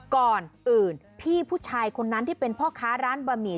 ก่อนอื่นพี่ผู้ชายคนนั้นที่เป็นพ่อค้าร้านบะหมี่